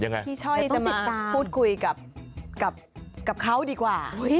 เดี๋ยวพี่ช่อยจะมาพูดคุยกับเขาดีกว่า